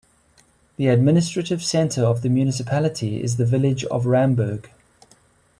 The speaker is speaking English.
The administrative centre of the municipality is the village of Ramberg.